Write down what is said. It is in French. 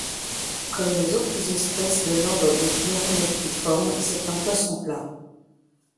Comme les autres espèces de l'ordre des Pleuronectiformes, c'est un poisson plat.